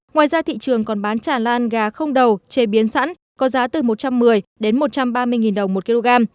ngoài ra thị trường còn bán chả lan gà không đầu chế biến sẵn có giá từ một trăm một mươi đến một trăm ba mươi đồng một kg